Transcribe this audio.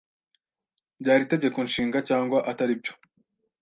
byari itegeko nshinga cyangwa atari byo.